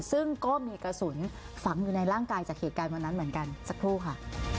ซึ่งก็มีกระสุนฝังอยู่ในร่างกายจากเหตุการณ์วันนั้นเหมือนกันสักครู่ค่ะ